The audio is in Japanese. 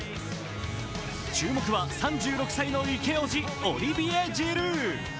注目は３６歳のイケオジ、オリヴィエ・ジルー。